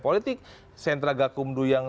politik sentra gakumdu yang